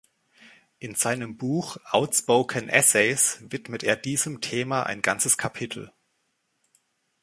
In seinem Buch „Outspoken Essays“ widmet er diesem Thema ein ganzes Kapitel.